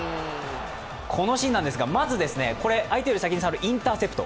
このシーンなんですが、まず相手より先に触るインターセプト。